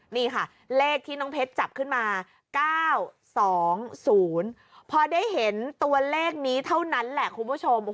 นี่ค่ะเลขที่น้องเพชรจับขึ้นมา๙๒๐พอได้เห็นตัวเลขนี้เท่านั้นแหละคุณผู้ชม